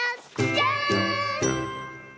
じゃん！